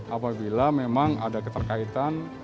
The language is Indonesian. apabila memang ada keterkaitan